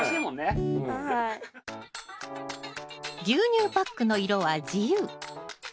牛乳パックの色は自由。